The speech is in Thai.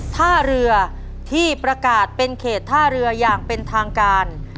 ท่าเรือที่ประกาศเป็นเขตท่าเรืออย่างเป็นทางการ